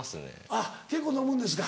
あっ結構飲むんですか。